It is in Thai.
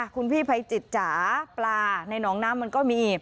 คุณพี่ภัยจิตจ๋าปลาในหนองน้ำมันก็มี